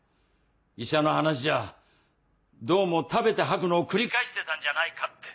医者の話じゃどうも食べて吐くのを繰り返してたんじゃないかって。